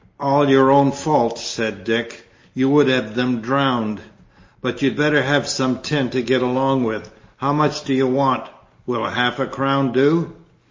"All your own fault," said Dick, "you would have them drowned. But you'd better have some tin to get along with. How much do you want? Will half a crown do?"